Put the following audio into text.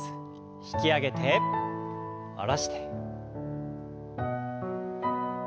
引き上げて下ろして。